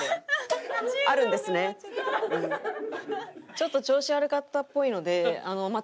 ちょっと調子悪かったっぽいのでまたね